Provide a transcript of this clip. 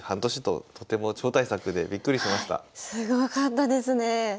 すごかったですね。